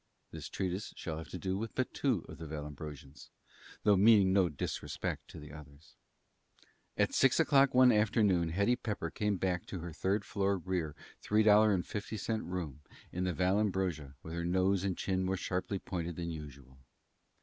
This treatise shall have to do with but two of the Vallambrosians though meaning no disrespect to the others. At six o'clock one afternoon Hetty Pepper came back to her third floor rear $3.50 room in the Vallambrosa with her nose and chin more sharply pointed than usual.